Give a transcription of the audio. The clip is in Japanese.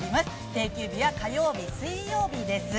定休日は火曜日、水曜日です。